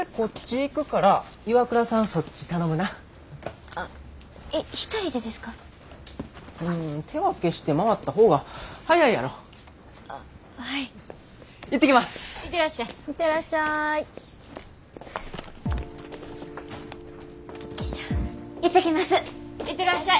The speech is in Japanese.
行ってらっしゃい。